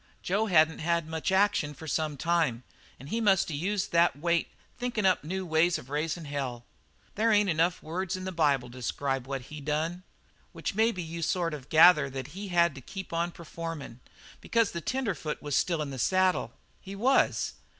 Jo hadn't had much action for some time, an' he must have used the wait thinkin' up new ways of raisin' hell. "There ain't enough words in the Bible to describe what he done. Which maybe you sort of gather that he had to keep on performin', because the tenderfoot was still in the saddle. He was.